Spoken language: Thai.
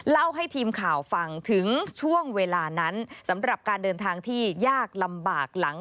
เล่าให้ทีมข่าวฟังถึงช่วงเวลานั้นสำหรับการเดินทางที่ยากลำบากหลัง